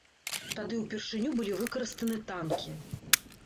Тады ўпершыню былі выкарыстаны танкі.